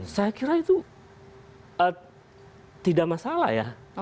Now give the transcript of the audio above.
saya kira itu tidak masalah ya